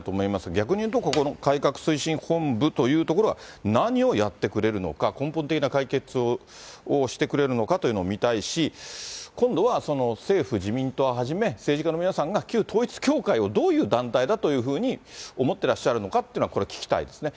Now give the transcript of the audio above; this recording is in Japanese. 逆に言うとここの改革推進本部というところは、何をやってくれるのか、根本的な解決をしてくれるのかというのを見たいし、今度は、政府・自民党はじめ、政治家の皆さんが、旧統一教会をどういう団体だというふうに思ってらっしゃるのかって、これ、聞きたいですね。